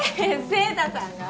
晴太さんが？